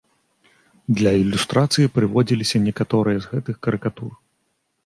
Для ілюстрацыі прыводзіліся некаторыя з гэтых карыкатур.